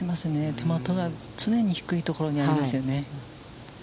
手前が常に低いところにありますよね。